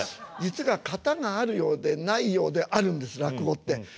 実は型があるようでないようであるんです落語って。